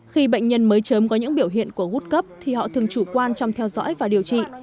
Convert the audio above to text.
khi bệnh nhân mới chớm có những biểu hiện của gút cấp thì họ thường chủ quan trong theo dõi và điều trị